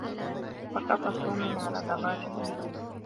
سقط توم من على دراجته.